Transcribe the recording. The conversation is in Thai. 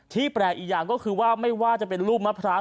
แปลกอีกอย่างก็คือว่าไม่ว่าจะเป็นลูกมะพร้าว